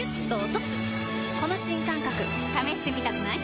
この新感覚試してみたくない？